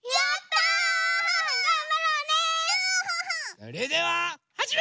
それでははじめ！